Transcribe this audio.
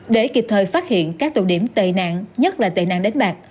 để kịp thời phát hiện các tụ điểm tệ nạn nhất là tệ nạn đánh bạc